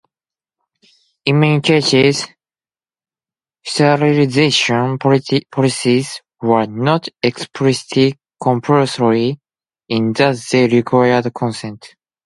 In many cases, sterilization policies were not explicitly compulsory in that they required consent.